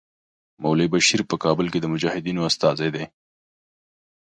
مولوي بشیر په کابل کې د مجاهدینو استازی دی.